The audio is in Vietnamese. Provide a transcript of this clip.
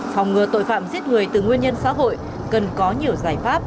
phòng ngừa tội phạm giết người từ nguyên nhân xã hội cần có nhiều giải pháp